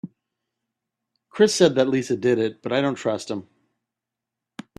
Chris said that Lisa did it but I don’t trust him.